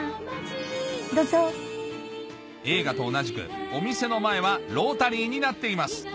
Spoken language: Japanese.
どうぞ映画と同じくお店の前はロータリーになっています